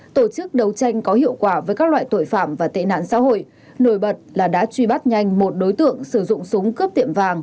tổ chức đấu tranh có hiệu quả với các loại tội phạm và tệ nạn xã hội nổi bật là đã truy bắt nhanh một đối tượng sử dụng súng cướp tiệm vàng